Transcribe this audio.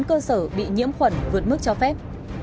đã có tới bốn cơ sở bị nhiễm khuẩn vượt mức cho phép